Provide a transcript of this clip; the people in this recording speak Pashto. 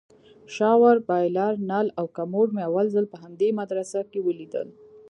شاور بايلر نل او کموډ مې اول ځل په همدې مدرسه کښې وليدل.